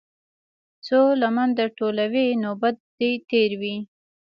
څــــو لمـــن در ټولـــوې نوبت دې تېر وي.